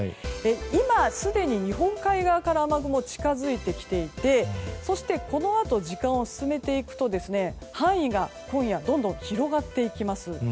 今、すでに日本海側から雨雲が近づいてきていてそして、このあと時間を進めていくと範囲が今夜どんどん広がっていきます。